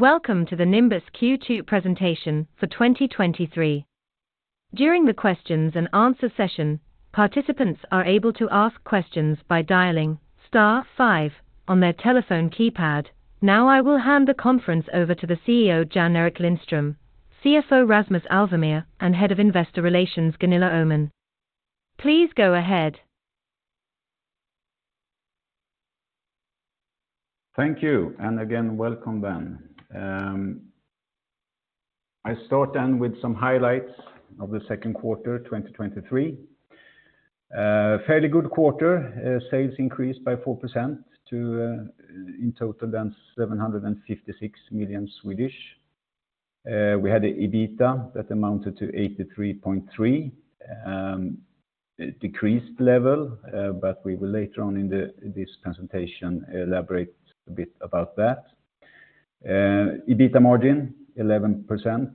Welcome to the Nimbus Q2 presentation for 2023. During the questions and answer session, participants are able to ask questions by dialing Star five on their telephone keypad. Now, I will hand the conference over to the CEO, Jan-Erik Lindström, CFO, Rasmus Alvemyr, and Head of Investor Relations, Gunilla Öhman. Please go ahead. Thank you, and again, welcome then. I start then with some highlights of the second quarter, 2023. Fairly good quarter. Sales increased by 4% to in total then 756 million. We had an EBITDA that amounted to 83.3 million, decreased level, but we will later on in this presentation elaborate a bit about that. EBITDA margin, 11%,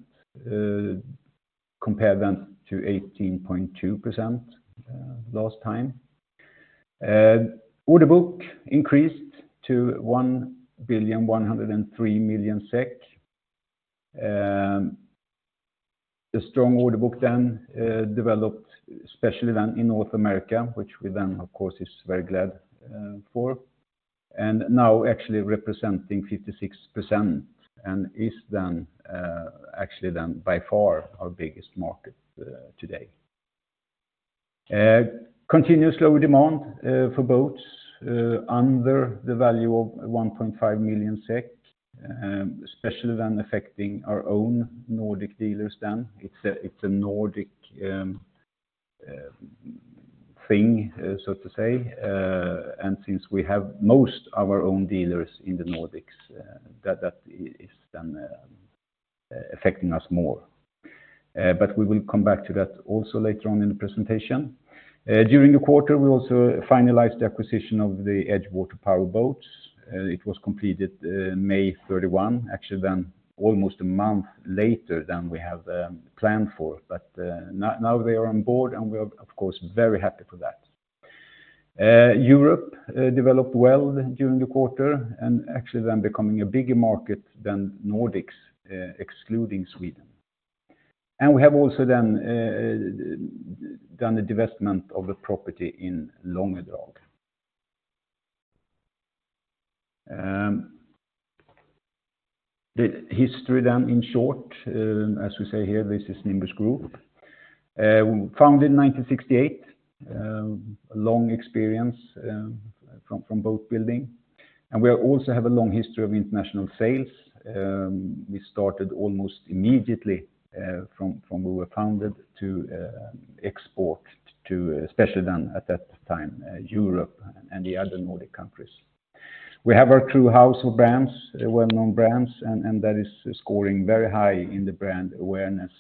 compared then to 18.2% last time. Order book increased to 1.103 billion. The strong order book then developed, especially then in North America, which we then, of course, is very glad for, and now actually representing 56% and is then actually then by far our biggest market today. Continuous low demand for boats under the value of 1.5 million SEK, especially then affecting our own Nordic dealers then. It's a Nordic thing, so to say. Since we have most of our own dealers in the Nordics, that is then affecting us more. We will come back to that also later on in the presentation. During the quarter, we also finalized the acquisition of the EdgeWater Power Boats. It was completed May 31, actually, then almost a month later than we have planned for. Now they are on board, and we are, of course, very happy for that. Europe developed well during the quarter, and actually, then becoming a bigger market than Nordics, excluding Sweden. We have also then done the divestment of the property in Långedrag. The history then, in short, as we say here, this is Nimbus Group. Founded in 1968, a long experience from boat building, and we also have a long history of international sales. We started almost immediately from we were founded to export to, especially then at that time, Europe and the other Nordic countries. We have our true house of brands, well-known brands, and that is scoring very high in the brand awareness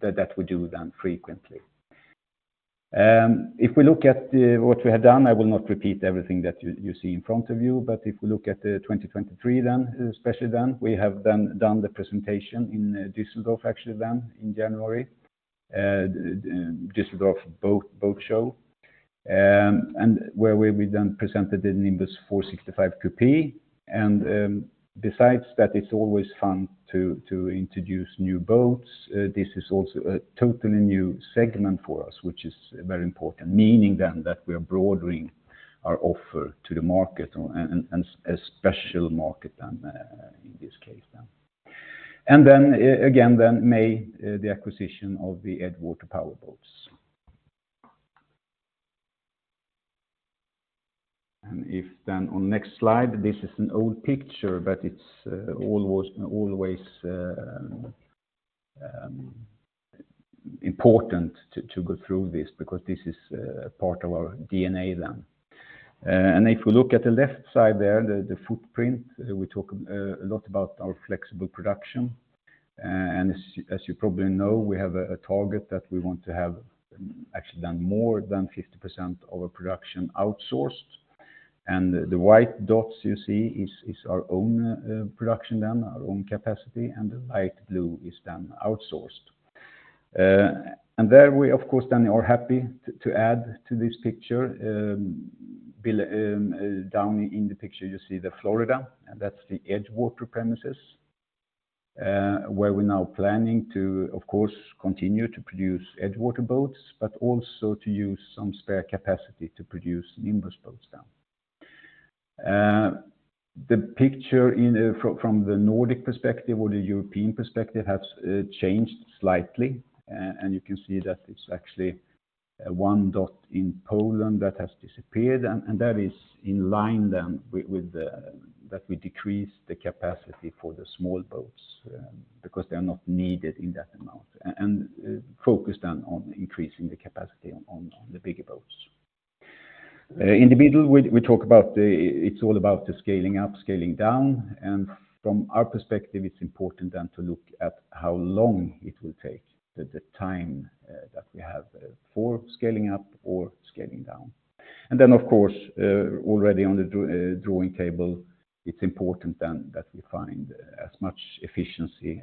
that we do then frequently. If we look at what we have done, I will not repeat everything that you see in front of you, if we look at the 2023, then, especially then, we have then done the presentation in Düsseldorf, actually, then in January, Düsseldorf Boat Show, where we then presented the Nimbus 465 Coupé. Besides that, it's always fun to introduce new boats. This is also a totally new segment for us, which is very important, meaning then that we are broadening our offer to the market and a special market in this case then. Then May, the acquisition of the EdgeWater Power Boats. If then on next slide, this is an old picture, but it's almost always important to go through this because this is part of our DNA then. If we look at the left side there, the footprint, we talk a lot about our flexible production. As you probably know, we have a target that we want to have actually done more than 50% of our production outsourced. The white dots you see is our own production, then our own capacity, and the light blue is then outsourced. There we, of course, then are happy to add to this picture, down in the picture, you see the Florida, and that's the EdgeWater premises, where we're now planning to, of course, continue to produce EdgeWater boats, but also to use some spare capacity to produce Nimbus boats then. The picture in, from the Nordic perspective or the European perspective has changed slightly, you can see that it's actually one dot in Poland that has disappeared, that is in line then with the, that we decrease the capacity for the small boats, because they are not needed in that amount, and focus then on increasing the capacity on the bigger boats. In the middle, we talk about the... It's all about the scaling up, scaling down. From our perspective, it's important then to look at how long it will take, the time that we have for scaling up or scaling down. Then, of course, already on the drawing table, it's important then that we find as much efficiency,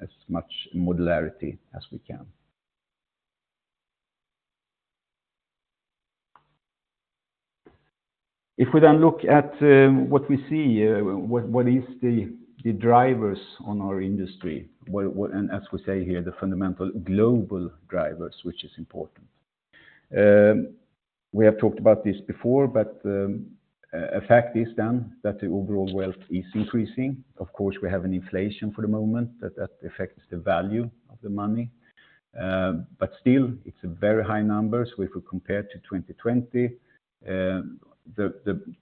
as much modularity as we can. If we look at what we see, what is the drivers on our industry, what, and as we say here, the fundamental global drivers, which is important. We have talked about this before, but a fact is then that the overall wealth is increasing. Of course, we have an inflation for the moment, that affects the value of the money. But still, it's a very high numbers, if we compare to 2020,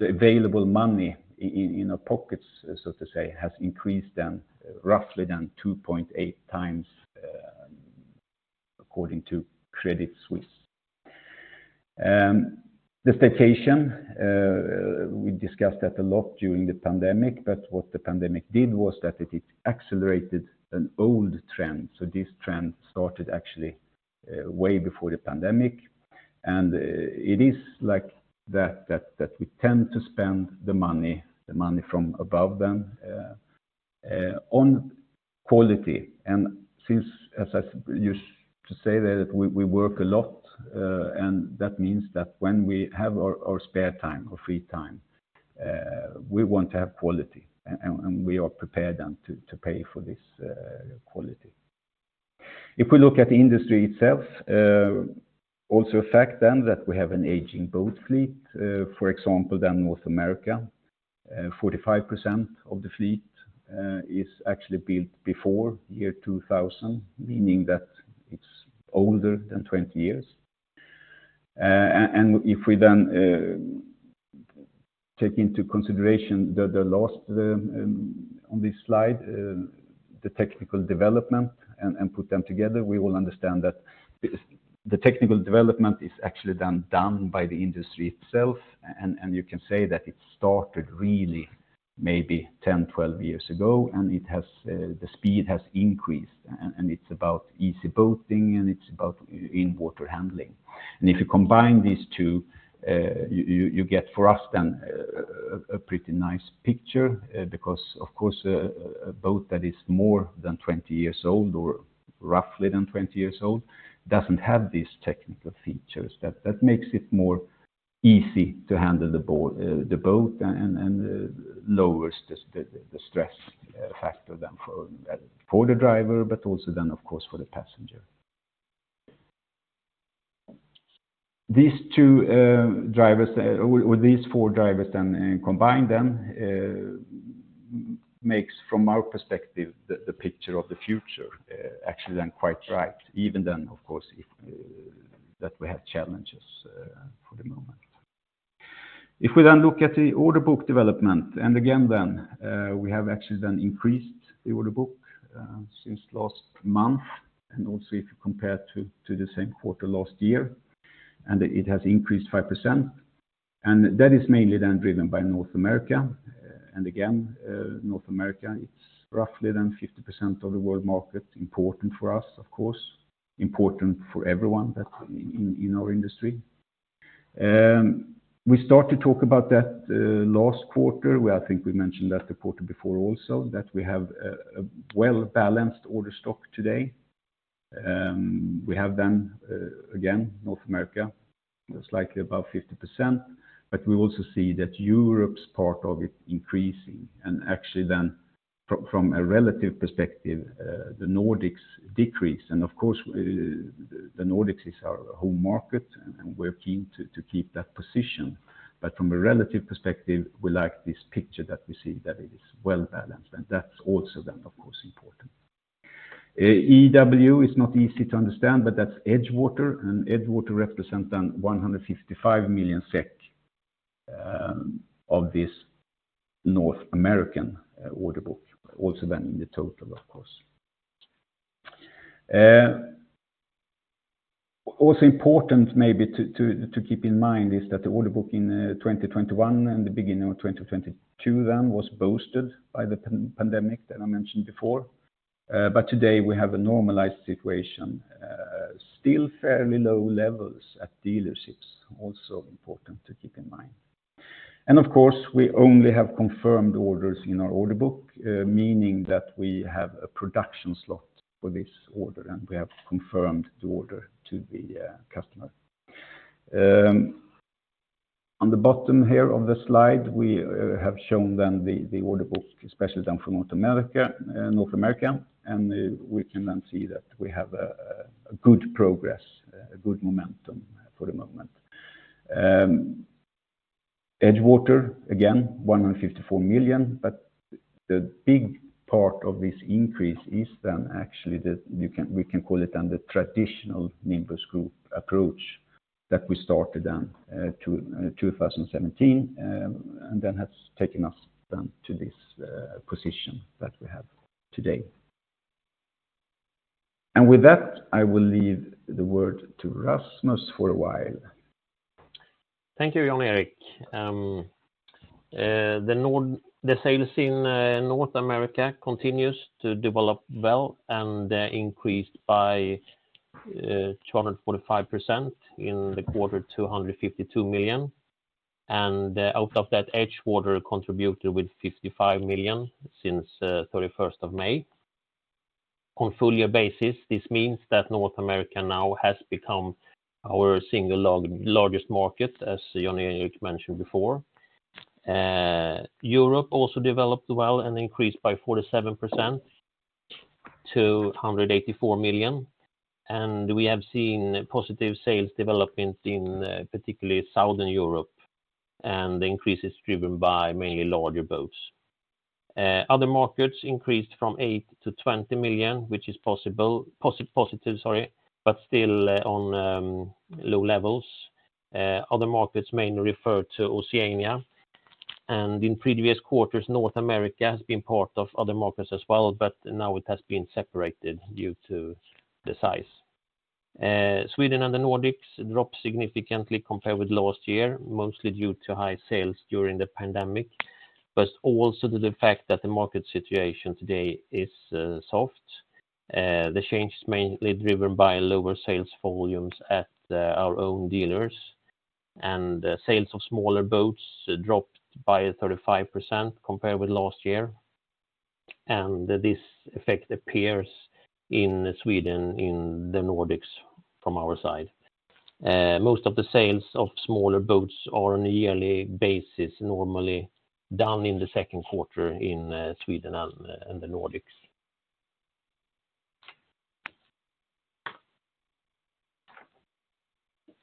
the available money in our pockets, so to say, has increased then roughly 2.8 times, according to Credit Suisse. The vacation, we discussed that a lot during the pandemic, but what the pandemic did was that it accelerated an old trend. This trend started actually way before the pandemic. And it is like that we tend to spend the money, the money from above then, on quality. And since, as I used to say, that we work a lot, and that means that when we have our spare time or free time, we want to have quality, and we are prepared then to pay for this quality. If we look at the industry itself, also a fact then that we have an aging boat fleet, for example, North America, 45% of the fleet, is actually built before year 2000, meaning that it's older than 20 years. If we then take into consideration the last on this slide, the technical development and put them together, we will understand that the technical development is actually then done by the industry itself, and you can say that it started really maybe 10, 12 years ago, and it has the speed has increased, and it's about easy boating, and it's about in-water handling. If you combine these two, you get for us then, a pretty nice picture, because, of course, a boat that is more than 20 years old or roughly than 20 years old, doesn't have these technical features. That makes it more easy to handle the boat and lowers the stress factor then for the driver, but also then, of course, for the passenger. These two drivers, or these four drivers then, and combine them makes from our perspective, the picture of the future, actually, then quite right. Even then, of course, if that we have challenges for the moment. If we then look at the order book development. Again, then, we have actually then increased the order book since last month. Also, if you compare to the same quarter last year, it has increased 5%, and that is mainly then driven by North America. Again, North America, it's roughly than 50% of the world market, important for us, of course, important for everyone that in our industry. We start to talk about that last quarter, where I think we mentioned that the quarter before also, that we have a well-balanced order stock today. We have then, again, North America, slightly above 50%. We also see that Europe's part of it increasing. Actually, then, from a relative perspective, the Nordics decrease. Of course, the Nordics is our home market, and we're keen to keep that position. From a relative perspective, we like this picture that we see that it is well-balanced, and that's also then, of course, important. EW is not easy to understand, but that's EdgeWater, and EdgeWater represent then 155 million SEK of this North American order book, also then in the total, of course. Also important maybe to keep in mind is that the order book in 2021 and the beginning of 2022 then was boosted by the pandemic that I mentioned before. Today, we have a normalized situation, still fairly low levels at dealerships, also important to keep in mind. Of course, we only have confirmed orders in our order book, meaning that we have a production slot for this order, and we have confirmed the order to the customer. On the bottom here of the slide, we have shown then the order book, especially then from North America, North America, and we can then see that we have a good progress, a good momentum for the moment. EdgeWater, again, 154 million, but the big part of this increase is then actually the, you can, we can call it then the traditional Nimbus Group approach that we started then 2017, and then has taken us then to this position that we have today. With that, I will leave the word to Rasmus for a while. Thank you, Jan-Erik. The sales in North America continues to develop well and increased by 245% in the quarter to 152 million. Out of that, EdgeWater contributed with 55 million since 31st of May. On full year basis, this means that North America now has become our single largest market, as Jan-Erik mentioned before. Europe also developed well and increased by 47% to 184 million, and we have seen positive sales development in particularly Southern Europe, and the increase is driven by mainly larger boats. Other markets increased from 8 million-20 million, which is possible, positive, sorry, but still on low levels. Other markets mainly refer to Oceania, and in previous quarters, North America has been part of other markets as well, but now it has been separated due to the size. Sweden and the Nordics dropped significantly compared with last year, mostly due to high sales during the pandemic, but also to the fact that the market situation today is soft. The change is mainly driven by lower sales volumes at our own dealers, and sales of smaller boats dropped by 35% compared with last year. This effect appears in Sweden, in the Nordics from our side. Most of the sales of smaller boats are on a yearly basis, normally down in the second quarter in Sweden and the Nordics.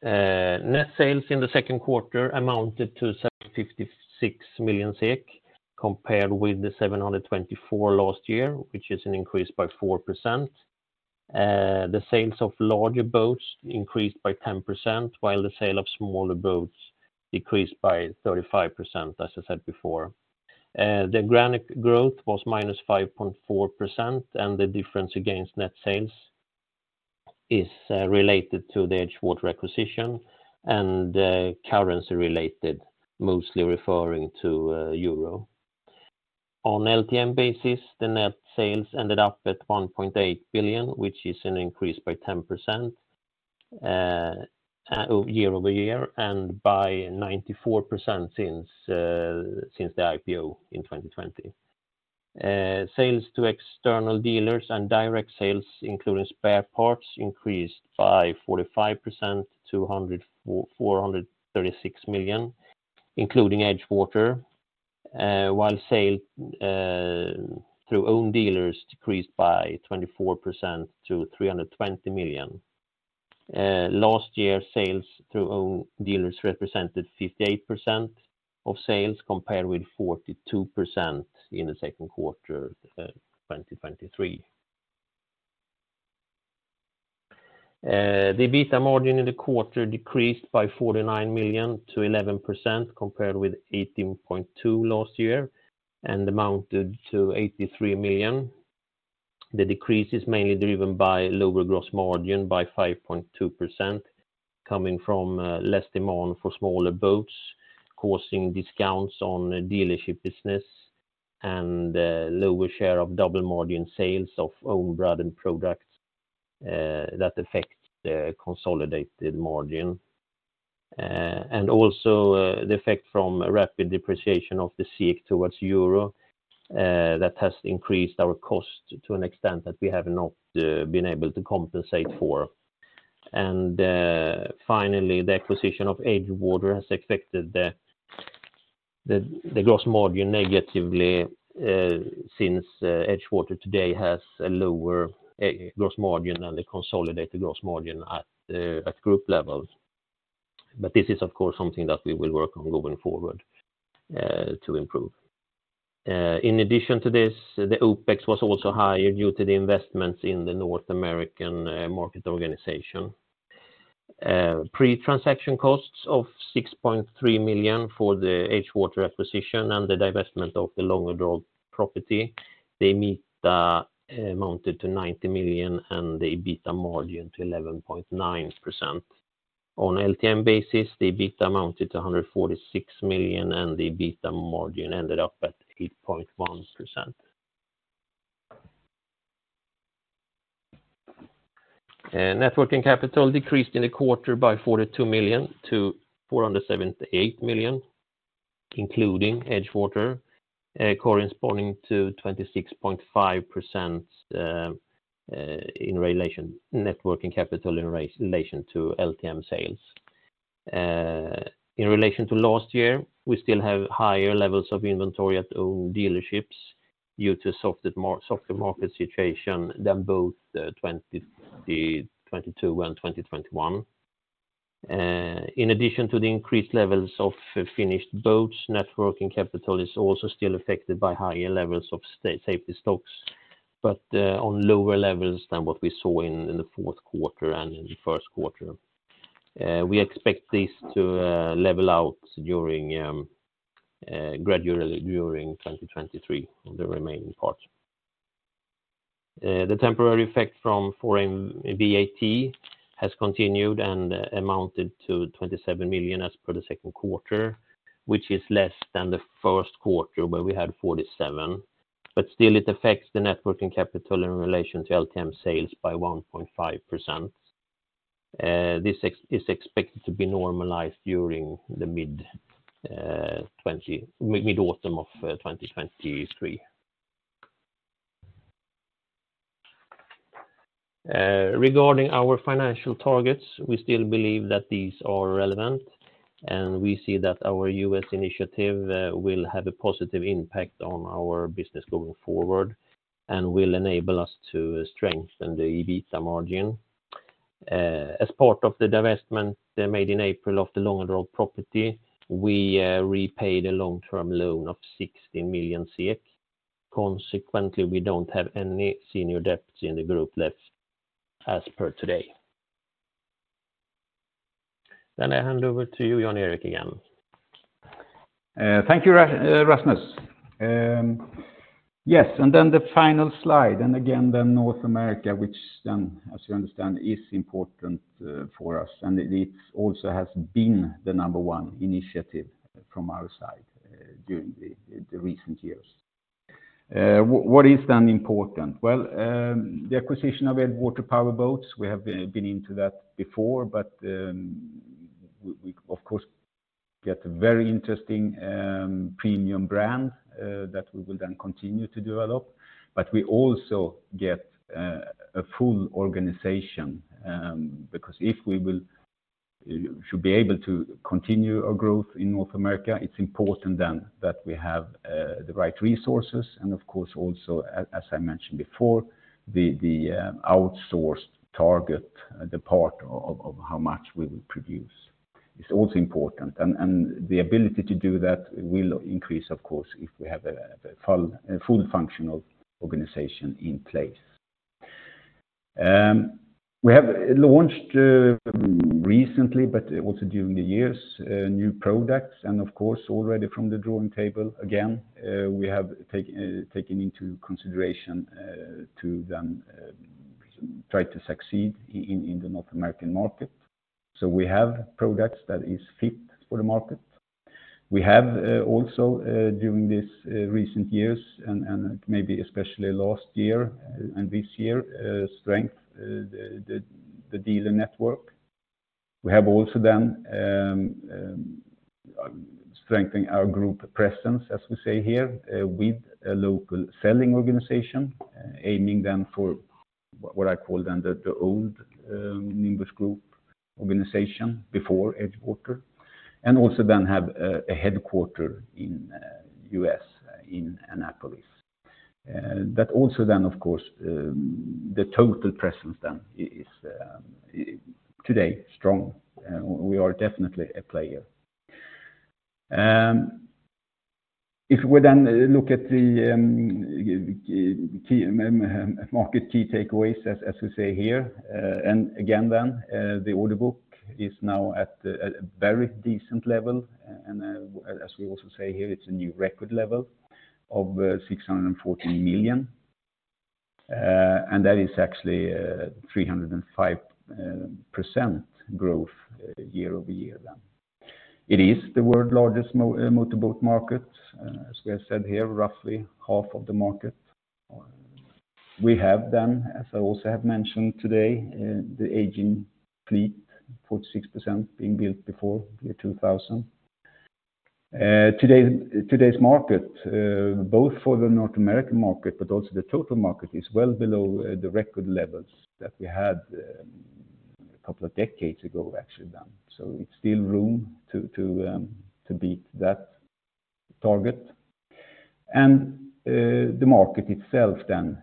Net sales in the second quarter amounted to 756 million SEK, compared with 724 million last year, which is an increase by 4%. The sales of larger boats increased by 10%, while the sale of smaller boats decreased by 35%, as I said before. The organic growth was -5.4%, and the difference against net sales is related to the EdgeWater acquisition and currency related, mostly referring to euro. On LTM basis, the net sales ended up at 1.8 billion, which is an increase by 10% year-over-year, and by 94% since the IPO in 2020. Sales to external dealers and direct sales, including spare parts, increased by 45% to 436 million, including EdgeWater. While sale through own dealers decreased by 24% to 320 million. Last year, sales through own dealers represented 58% of sales, compared with 42% in the second quarter 2023. The EBITDA margin in the quarter decreased by 49 million to 11%, compared with 18.2% last year, and amounted to 83 million. The decrease is mainly driven by lower gross margin by 5.2%, coming from less demand for smaller boats, causing discounts on dealership business and lower share of double margin sales of own brand and products that affect the consolidated margin. And also the effect from a rapid depreciation of the SEK towards EUR that has increased our cost to an extent that we have not been able to compensate for. Finally, the acquisition of EdgeWater has affected the gross margin negatively, since EdgeWater today has a lower gross margin than the consolidated gross margin at group level. This is, of course, something that we will work on going forward to improve. In addition to this, the OpEx was also higher due to the investments in the North American market organization. Pre-transaction costs of 6.3 million for the EdgeWater acquisition and the divestment of the Långedrag property amounted to 90 million, and the EBITDA margin to 11.9%. On LTM basis, the EBITDA amounted to 146 million, and the EBITDA margin ended up at 8.1%. Net working capital decreased in the quarter by 42 million to 478 million, including EdgeWater, corresponding to 26.5% net working capital in relation to LTM sales. In relation to last year, we still have higher levels of inventory at own dealerships due to softer market situation than both 2022 and 2021. In addition to the increased levels of finished boats, net working capital is also still affected by higher levels of safety stocks, but on lower levels than what we saw in the fourth quarter and in the first quarter. We expect this to level out gradually during 2023, the remaining part. The temporary effect from foreign VAT has continued and amounted to 27 million as per the second quarter, which is less than the first quarter, where we had 47, still it affects the net working capital in relation to LTM sales by 1.5%. This is expected to be normalized during the mid-autumn of 2023. Regarding our financial targets, we still believe that these are relevant, and we see that our U.S. initiative will have a positive impact on our business going forward, and will enable us to strengthen the EBITDA margin. As part of the divestment made in April of the Långedrag property, we repaid a long-term loan of 60 million. Consequently, we don't have any senior debts in the group left as per today. I hand over to you, Jan-Erik, again. Thank you, Rasmus. Yes, the final slide, and again, the North America, which then, as you understand, is important for us, and it also has been the number one initiative from our side during the recent years. What is then important? Well, the acquisition of EdgeWater Power Boats, we have been into that before, but we, of course, get a very interesting premium brand that we will then continue to develop. We also get a full organization because if we will should be able to continue our growth in North America, it's important then that we have the right resources, and of course, also, as I mentioned before, the outsourced target, the part of how much we will produce is also important. The ability to do that will increase, of course, if we have a full functional organization in place. We have launched recently, but also during the years, new products, and of course, already from the drawing table, again, we have taken into consideration to then try to succeed in the North American market. We have products that is fit for the market. We have also during this recent years and maybe especially last year and this year strength the dealer network. We have also then strengthen our group presence, as we say here, with a local selling organization, aiming then for what I call then the old Nimbus Group organization before EdgeWater, and also then have a headquarter in U.S., in Annapolis. Also then, of course, the total presence then is today strong. We are definitely a player. If we then look at the key market key takeaways, as we say here, and again, then the order book is now at a very decent level. As we also say here, it's a new record level of 614 million. That is actually 305% growth year-over-year then. It is the world's largest motorboat market, as we have said here, roughly half of the market. We have then, as I also have mentioned today, the aging fleet, 46% being built before the year 2000. today's market, both for the North American market, but also the total market, is well below the record levels that we had a couple of decades ago, actually, then. It's still room to beat that target. The market itself then,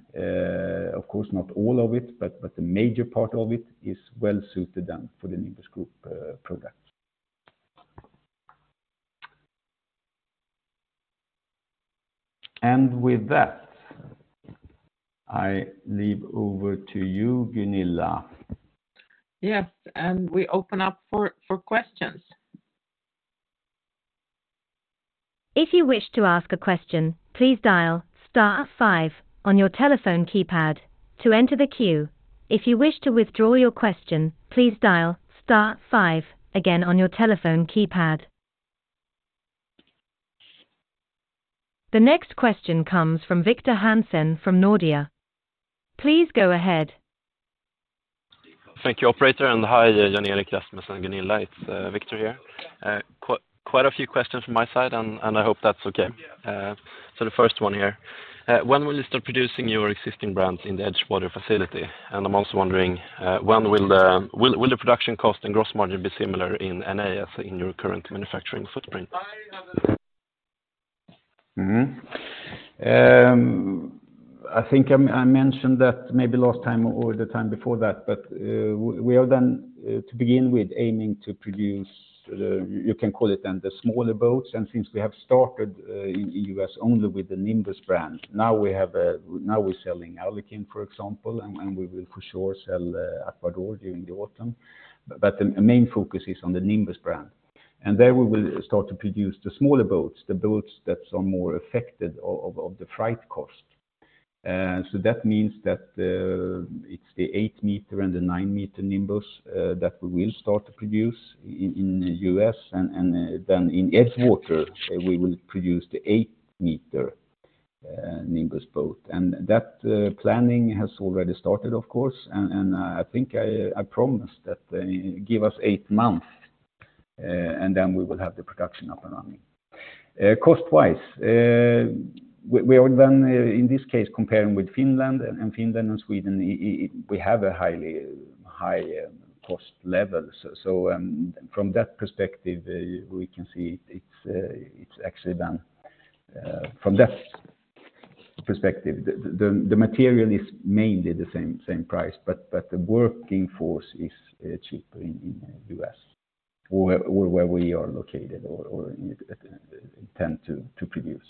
of course, not all of it, but the major part of it is well suited then for the Nimbus Group products. With that, I leave over to you, Gunilla. Yes, we open up for questions. If you wish to ask a question, please dial Star five on your telephone keypad to enter the queue. If you wish to withdraw your question, please dial Star five again on your telephone keypad. The next question comes from Victor Hansen from Nordea. Please go ahead. Thank you, operator. Hi, Jan-Erik, Rasmus, and Gunilla. It's Victor here. Quite a few questions from my side, and I hope that's okay. The first one here, when will you start producing your existing brands in the EdgeWater facility? I'm also wondering, when will the production cost and gross margin be similar in NAS, in your current manufacturing footprint? I think I mentioned that maybe last time or the time before that, but we are then to begin with aiming to produce, you can call it then the smaller boats, and since we have started in the U.S. only with the Nimbus brand, now we have now we're selling Alukin, for example, and we will for sure sell Aquador during the autumn. The main focus is on the Nimbus brand, and there we will start to produce the smaller boats, the boats that are more affected of the freight cost. That means that it's the 8-meter and the 9-meter Nimbus that we will start to produce in the U.S., and then in EdgeWater, we will produce the 8-meter.... In those boat, and that, planning has already started, of course, and I think I promise that, give us eight months, and then we will have the production up and running. Cost-wise, we are then, in this case, comparing with Finland, and Finland and Sweden, we have a high cost level. From that perspective, we can see it's actually done, from that perspective, the, the material is mainly the same price, but the working force is, cheaper in U.S. or where we are located or intend to produce.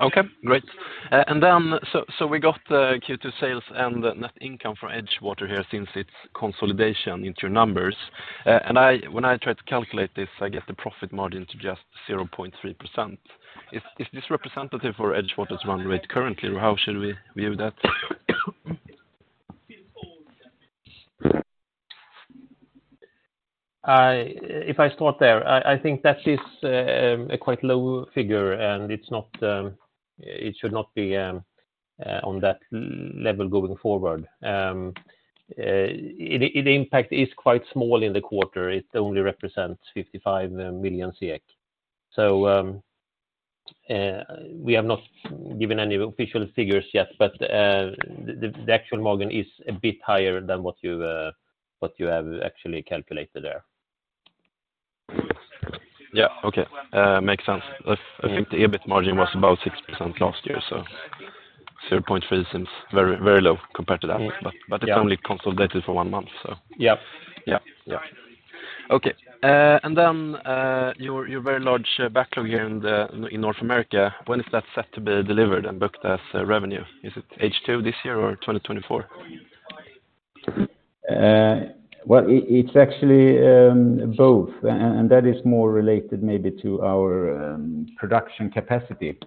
Okay, great. Then, we got the Q2 sales and the net income for EdgeWater here since it's consolidation into your numbers. When I try to calculate this, I get the profit margin to just 0.3%. Is this representative for EdgeWater's run rate currently, or how should we view that? If I start there, I think that is a quite low figure, and it's not, it should not be on that level going forward. It impact is quite small in the quarter. It only represents 55 million SEK. We have not given any official figures yet, but the actual margin is a bit higher than what you have actually calculated there. Makes sense. I think the EBIT margin was about 6% last year. 0.3% seems very, very low compared to that. Yeah. It's only consolidated for one month, so. Yep. Yep. Yep. Okay, then, your very large backlog here in North America, when is that set to be delivered and booked as revenue? Is it H2 this year or 2024? Well, it's actually both, and that is more related maybe to our production capacity.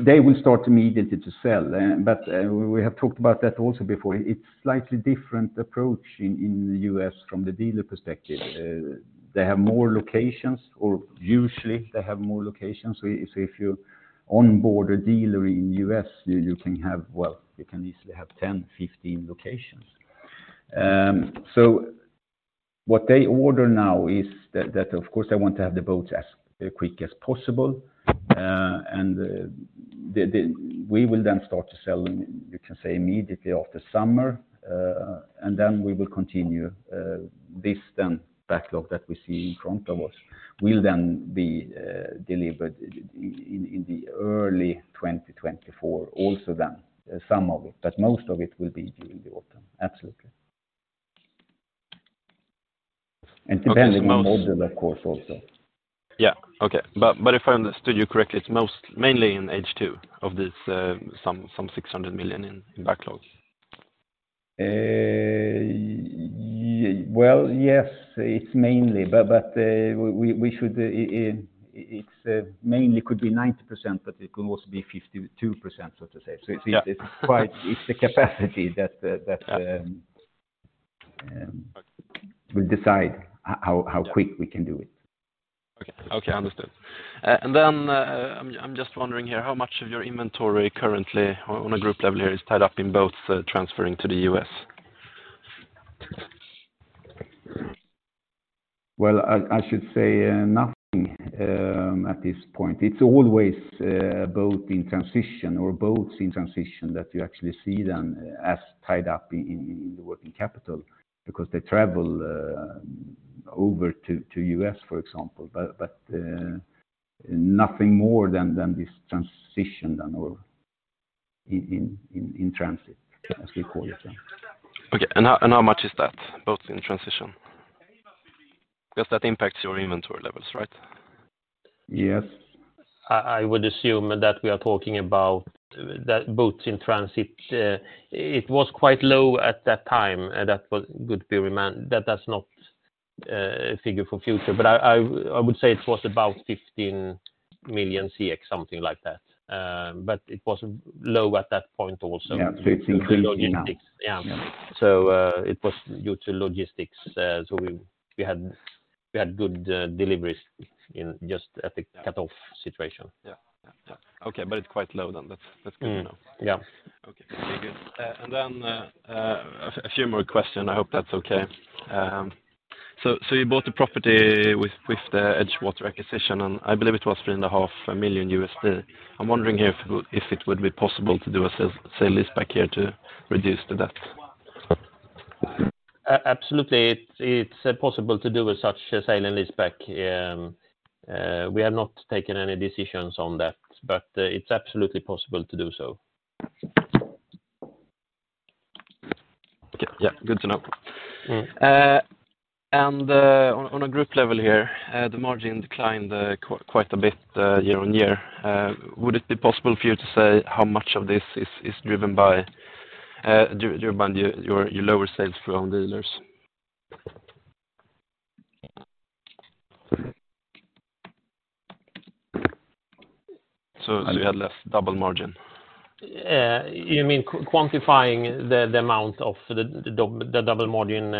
They will start immediately to sell, but we have talked about that also before. It's slightly different approach in the U.S. from the dealer perspective. They have more locations, or usually they have more locations. If you onboard a dealer in U.S., you can have, well, you can easily have 10, 15 locations. What they order now is that, of course, they want to have the boats as quick as possible, and the... We will then start to sell, you can say, immediately after summer. We will continue. This then backlog that we see in front of us will then be delivered in the early 2024 also then, some of it. Most of it will be during the autumn. Absolutely. Okay. Depending on model, of course, also. Yeah. Okay. If I understood you correctly, it's mainly in H2 of this, some 600 million in backlogs? Well, yes, it's mainly, but we should, it's mainly could be 90%, but it could also be 52%, so to say. Yeah. It's the capacity that.... will decide how quick we can do it. Okay. Okay, understood. I'm just wondering here, how much of your inventory currently on a group level here is tied up in boats transferring to the U.S.? Well, I should say nothing at this point. It's always a boat in transition or boats in transition that you actually see them as tied up in the net working capital because they travel over to U.S., for example, but nothing more than this transition then, or in transit, as we call it then. Okay. How much is that, boats in transition? That impacts your inventory levels, right? Yes. I would assume that we are talking about that boats in transit, it was quite low at that time, and that was good period. Man, that does not figure for future. I would say it was about 15 million SEK, something like that. It was low at that point also. Yeah, SEK 15 million. Yeah. It was due to logistics. We had good deliveries in just at the cutoff situation. Yeah. Yeah, yeah. Okay, it's quite low then. That's, that's good to know. Yeah. Very good. Then a few more questions. I hope that's okay. You bought the property with the EdgeWater acquisition, and I believe it was $3.5 million. I'm wondering if it would be possible to do a sale-leaseback here to reduce the debt. Absolutely, it's possible to do with such a sale-leaseback. We have not taken any decisions on that, but it's absolutely possible to do so. Okay. Yeah, good to know. Mm. On a group level here, the margin declined quite a bit year on year. Would it be possible for you to say how much of this is driven by your lower sales from dealers? So you had less double margin? You mean quantifying the amount of the double margin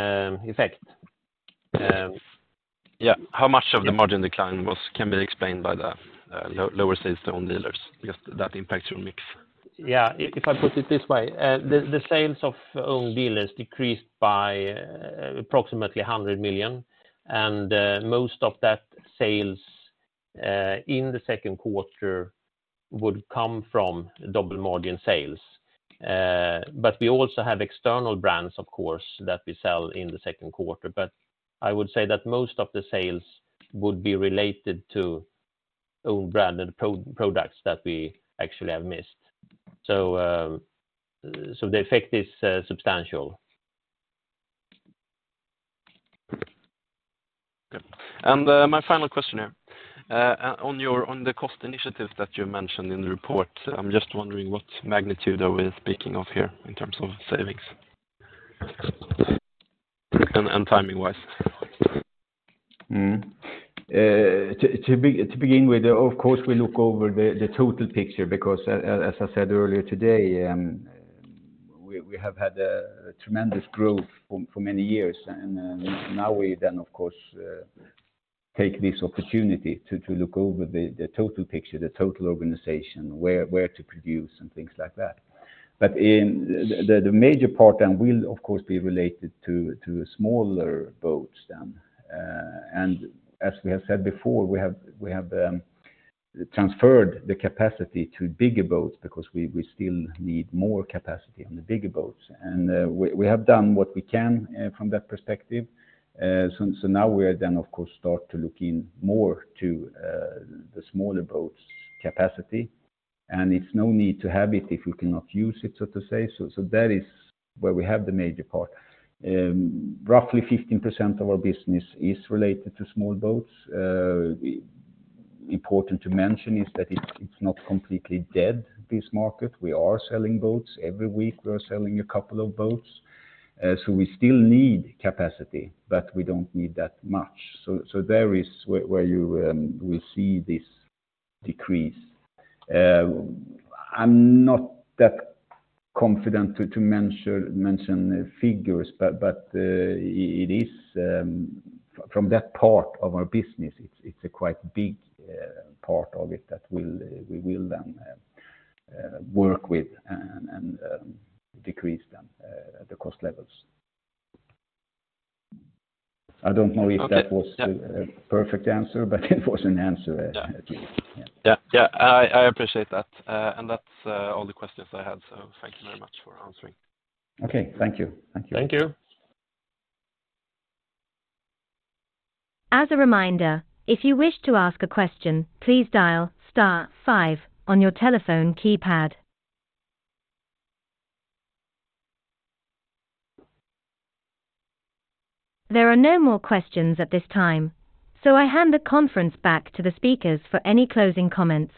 effect? Yeah. How much of the margin decline can be explained by the lower sales to own dealers? That impacts your mix. If I put it this way, the sales of own dealers decreased by approximately 100 million. Most of that sales in the second quarter would come from double margin sales. We also have external brands, of course, that we sell in the second quarter. I would say that most of the sales would be related to own branded products that we actually have missed. The effect is substantial. Good. My final question here. on the cost initiatives that you mentioned in the report, I'm just wondering what magnitude are we speaking of here in terms of savings? and timing-wise? To begin with, of course, we look over the total picture because as I said earlier today, we have had a tremendous growth for many years. Now we then, of course, take this opportunity to look over the total picture, the total organization, where to produce, and things like that. The, the major part then will, of course, be related to smaller boats then. As we have said before, we have transferred the capacity to bigger boats because we still need more capacity on the bigger boats. We have done what we can, from that perspective. Now we are then, of course, start to look in more to the smaller boats capacity. It's no need to have it if you cannot use it, so to say. That is where we have the major part. Roughly 15% of our business is related to small boats. Important to mention is that it's not completely dead, this market. We are selling boats. Every week, we are selling a couple of boats. We still need capacity, but we don't need that much. There is where you will see this decrease. I'm not that confident to mention figures, but it is... from that part of our business, it's a quite big part of it that we will then work with and decrease them, the cost levels. I don't know if that was. Yeah. a perfect answer, but it was an answer. Yeah. At least. Yeah. Yeah. I appreciate that. That's all the questions I had, so thank you very much for answering. Okay. Thank you. Thank you. Thank you. As a reminder, if you wish to ask a question, please dial Star five on your telephone keypad. There are no more questions at this time, so I hand the conference back to the speakers for any closing comments.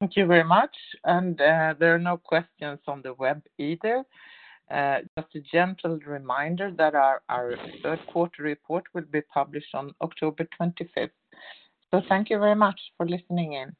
Thank you very much. There are no questions on the web either. Just a gentle reminder that our third quarter report will be published on October 25th. Thank you very much for listening in.